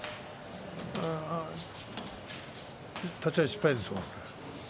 立ち合い失敗です。